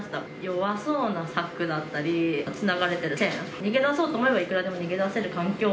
弱そうな柵だったり、つながれてるチェーン、逃げ出そうと思えば、いくらでも逃げ出せる環境。